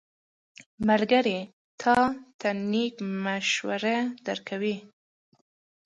ملګری تا ته نېک مشورې درکوي.